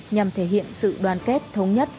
nhằm thể hiện sự đoàn kết thống nhất